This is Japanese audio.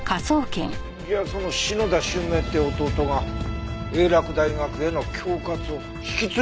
じゃあその篠田周明って弟が英洛大学への恐喝を引き継いだって事？